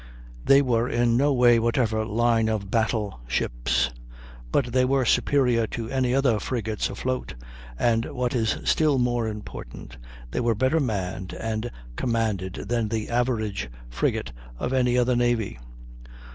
They were in no way whatever line of battle ships; but they were superior to any other frigates afloat, and, what is still more important, they were better manned and commanded than the average frigate of any other navy.